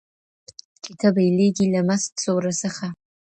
چي ته بېلېږې له مست سوره څخه.